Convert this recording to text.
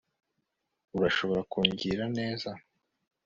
urashobora kungirira neza